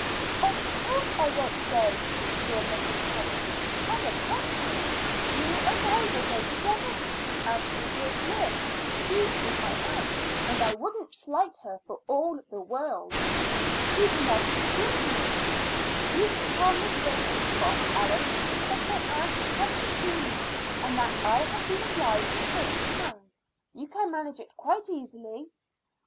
"Of course I won't go, dear Mrs. Tennant. On the contrary, you and I will go together to see Aunt Katie O'Flynn. She is my aunt, and I wouldn't slight her for all the world. She'd never forgive me. You can tell Miss Ravenscroft, Alice, that my aunt has come to see me, and that I have been obliged to go to town. You can manage it quite easily."